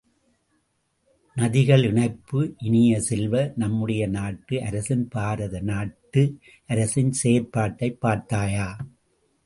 நதிகள் இணைப்பு இனிய செல்வ, நம்முடைய நாட்டு அரசின் பாரத நாட்டு அரசின் செயற்பாட்டைப் பார்த்தாயா?